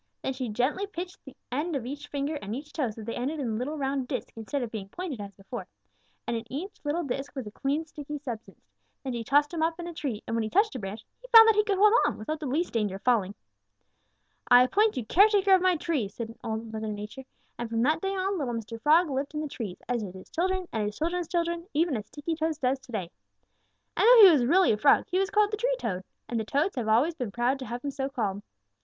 Then she gently pinched the end of each finger and each toe so that they ended in little round discs instead of being pointed as before, and in each little disc was a clean, sticky substance. Then she tossed him up in a tree, and when he touched a branch, he found that he could hold on without the least danger of falling. "'I appoint you caretaker of my trees,' said Old Mother Nature, and from that day on little Mr. Frog lived in the trees, as did his children and his children's children, even as Sticky toes does to day. And though he was really a Frog, he was called the Tree Toad, and the Toads have always been proud to have him so called.